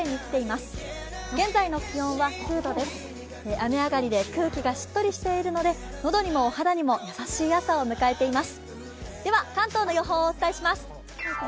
雨上がりで空気がしっとりしているので喉にもお肌にも優しい朝を迎えています。